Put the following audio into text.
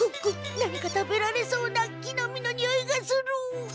何か食べられそうな木の実のにおいがする。